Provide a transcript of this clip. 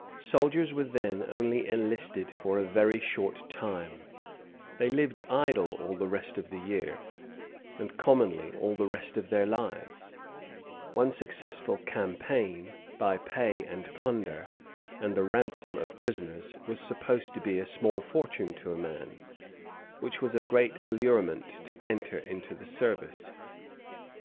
[] Soldiers were then enlisted only for a very short time; they lived idle all the rest of the year, and commonly all the rest of their lives: one successful campaign, by pay and plunder, and the ransom of prisoners, was supposed to be a small fortune to a man; which was a great allurement to enter into the service.